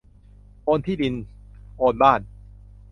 โอนที่ดินโอนบ้าน